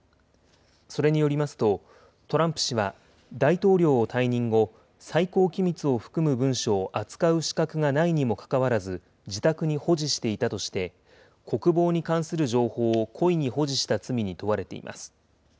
それによりますと、トランプ氏は大統領を退任後、最高機密を含む文書を扱う資格がないにもかかわらず、自宅に保持していたとして、国防に関する情報を故意に保持した罪に問われています。